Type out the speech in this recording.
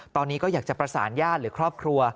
ตอนนี้ก็อยากจะประสานญาติหรือครอบครัว